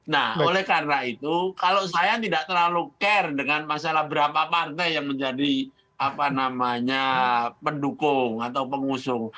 nah oleh karena itu kalau saya tidak terlalu care dengan masalah berapa partai yang menjadi pendukung atau pengusung